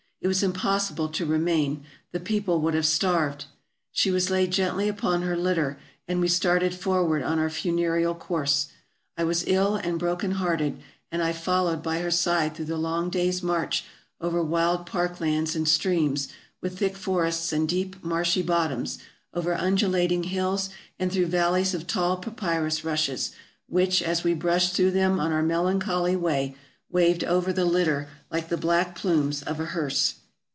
It was impossible to remain; the people would have starved. She was laid gently upon her litter, and we started forward on our funereal course. I was ill and broken hearted, and I followed by her side through the long day's march over wild park lands and streams, with thick forests and deep marshy bottoms ; over undulating hills, and through valleys of tall papyrus rushes, which, as we brushed through them on our melan choly way, waved over the litter like the black plumes of a hearse.